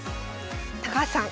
高橋さん